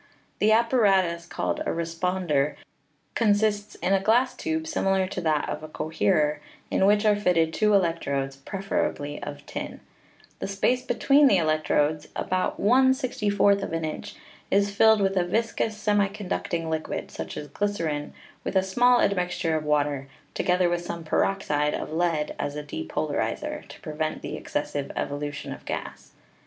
The apparatus, called a 'respond er,' consists in a glass tube similar to that of a coherer,, in which are fitted two electrodes, preferably of tin, The space between the electrodes — about y«* inch — is filled with a viscuous, semiconducting liquid, such as glycerin with a small admixture of water, together with some peroxide of lead as a depolarizer, to prevent the excessive evolu Fig. 51 — The Marconi Magnetic Detector. tion of gas.